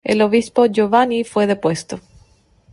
El obispo Giovanni fue depuesto.